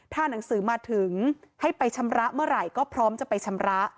ถ้าหนังสือมาถึงให้ไปชำระเมื่อไหร่ก็พร้อมจะไปชำระ